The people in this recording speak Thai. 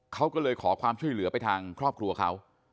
เขาก็เลยขอความช่วยเหลือไปทางครอบครัวเขา